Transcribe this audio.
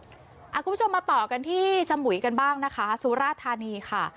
คุณผู้ชมมาต่อกันที่สมุยกันบ้างนะคะสุราธานีค่ะ